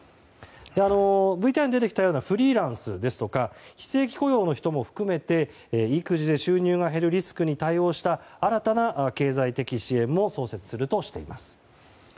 ＶＴＲに出てきたようなフリーランスや非正規雇用の人も含めて育児で収入が減るリスクに対応した新たな経済的支援も創設するとしています。